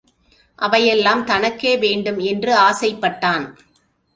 அவையெல்லாம் தனக்கே வேண்டும் என்று ஆசைப்பட்டான்.